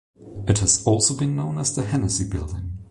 It has also been known as the Hennessey Building.